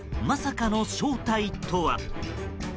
まさかの正体とは。